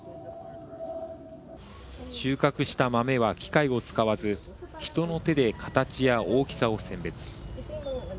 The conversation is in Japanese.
収穫した豆は機械を使わず人の手で形や大きさを選別。